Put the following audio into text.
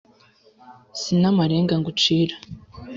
si n’amarenga ngucira